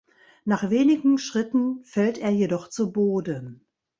Nach wenigen Schritten fällt er jedoch zu Boden.